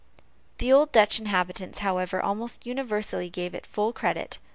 The old Dutch inhabitants, however, almost universally gave it full credit.